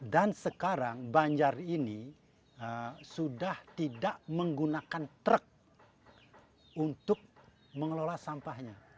dan sekarang banjar ini sudah tidak menggunakan truk untuk mengelola sampahnya